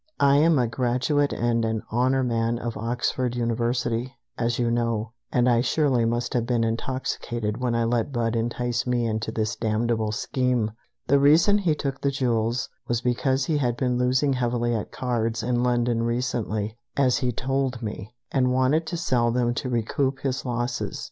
"I am a graduate and an honor man of Oxford University, as you know, and I surely must have been intoxicated when I let Budd entice me into his damnable scheme! The reason he took the jewels was because he had been losing heavily at cards in London recently, as he told me, and wanted to sell them to recoup his losses.